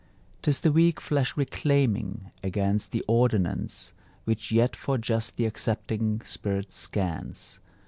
'Tis the weak flesh reclaiming Against the ordinance Which yet for just the accepting spirit scans.